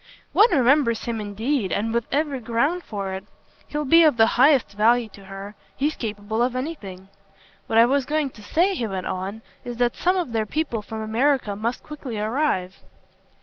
"One remembers him indeed, and with every ground for it. He'll be of the highest value to her he's capable of anything. What I was going to say," he went on, "is that some of their people from America must quickly arrive."